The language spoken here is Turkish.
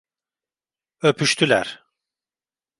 Öpüştüler.